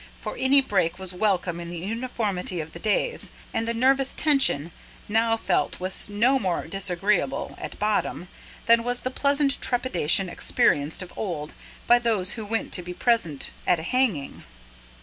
For any break was welcome in the uniformity of the days; and the nervous tension now felt was no more disagreeable, at bottom, than was the pleasant trepidation experienced of old by those who went to be present at a hanging.